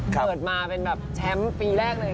เปิดมาเป็นแบบแชมป์ปีแรกเลย